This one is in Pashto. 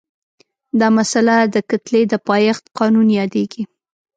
دا مسئله د کتلې د پایښت قانون یادیږي.